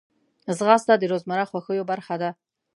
ځغاسته د روزمره خوښیو برخه ده